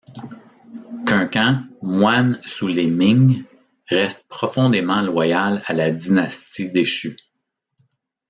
Kuncan, moine sous les Ming, reste profondément loyal à la dynastie déchue.